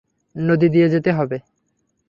নদী দিয়ে যেতে হবে।